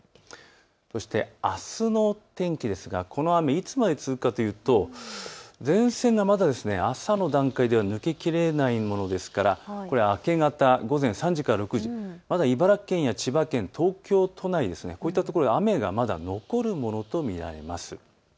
そしてあすの天気ですがこの雨いつまで続くかというと前線がまだ朝の段階では抜けきれないものですから明け方、午前３時から６時、まだ茨城県や千葉県、東京都内こういったところで雨がまだ残るものと見られます。